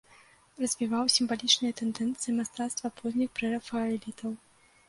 Развіваў сімвалічныя тэндэнцыі мастацтва позніх прэрафаэлітаў.